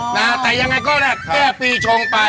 แต่ยังไงก็แค่ปีชงไป